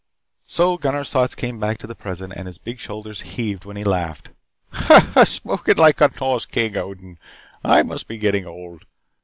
So Gunnar's thoughts came back to the present and his big shoulders heaved when he laughed. "Eh! Spoken like a Nors King, Odin. I must be getting old.